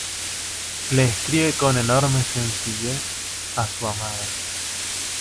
Le escribe con enorme sencillez, a su amada.